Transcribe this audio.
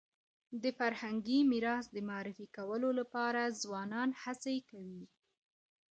د فرهنګي میراث د معرفي کولو لپاره ځوانان هڅي کوي.